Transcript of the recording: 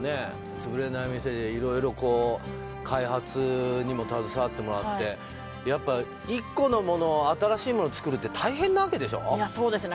「つぶれない店」でいろいろこう開発にも携わってもらってやっぱ一個のものを新しいものつくるって大変なわけでしょそうですね